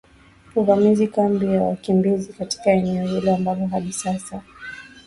uvamia kambi ya wakimbizi katika eneo hilo ambalo hadi sasa